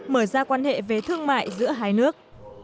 mở ra quan hệ về thương mại giữa hai nước